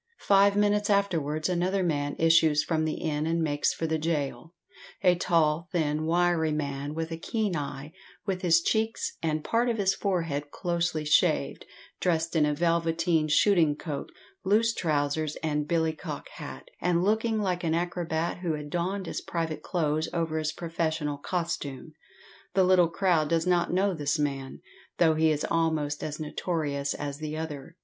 Five minutes afterwards another man issues from the inn and makes for the gaol a tall, thin, wiry man, with a keen eye, with his cheeks and part of his forehead closely shaved, dressed in a velveteen shooting coat, loose trousers, and billycock hat, and looking like an acrobat who had donned his private clothes over his professional costume. The little crowd does not know this man, though he is almost as notorious as the other.